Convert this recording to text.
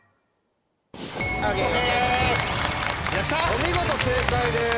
お見事正解です。